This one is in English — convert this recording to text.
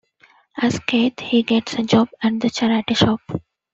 As Keith, he gets a job at the charity shop.